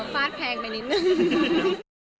ฟาดแพงไปนิดนึง